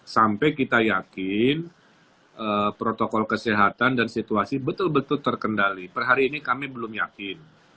sampai kita yakin protokol kesehatan dan situasi betul betul terkendali per hari ini kami belum yakin